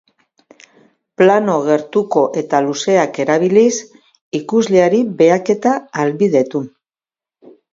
Plano gertuko eta luzeak erabiliz, ikusleari behaketa ahalbidetu.